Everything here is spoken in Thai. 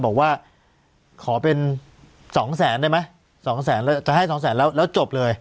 บอกว่าขอเป็น๒๐๐๐๐๐ได้ไหม๒๐๐๐๐๐เขาจะให้๒๐๐๐๐๐แล้วจบเลย